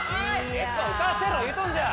ケツ浮かせろ言うとんじゃ！